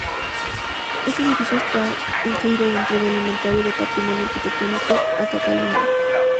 Este edificio está incluido dentro del Inventario del Patrimonio Arquitectónico de Cataluña.